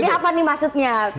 jadi apa nih maksudnya